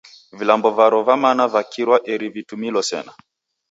Vilambo varo va mana vakirwa eri vitumilo sena.